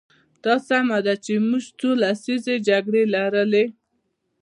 دا سمه ده چې موږ څو لسیزې جګړې لرلې.